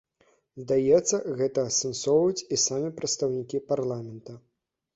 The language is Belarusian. Здаецца, гэта асэнсоўваюць і самі прадстаўнікі парламента.